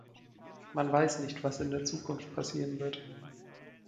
Man weiß nicht, was in der Zukunft passieren wird.